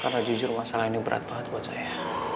karena jujur masalah ini berat banget buat saya